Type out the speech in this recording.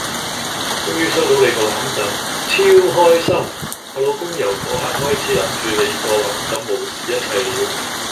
終於收到你個攬枕！超開心！我老公由個刻開始攬住你個攬枕無視一切了